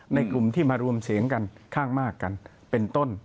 ในกลุ่มที่มารวมเสียงกันข้างมากกันเป็นต้น